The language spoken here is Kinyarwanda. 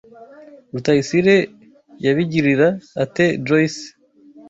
Rutayisire yabigirira ate Joyce?